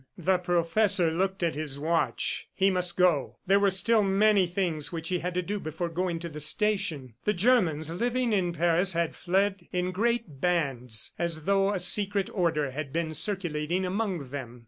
The professor looked at his watch. He must go; there were still many things which he had to do before going to the station. The Germans living in Paris had fled in great bands as though a secret order had been circulating among them.